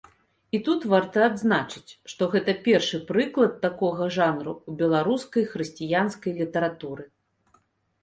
І тут варта адзначыць, што гэта першы прыклад такога жанру ў беларускай хрысціянскай літаратуры.